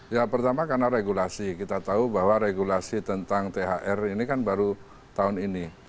ya pertama karena regulasi kita tahu bahwa regulasi tentang thr ini kan baru tahun ini